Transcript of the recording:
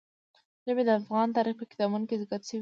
ژبې د افغان تاریخ په کتابونو کې ذکر شوي دي.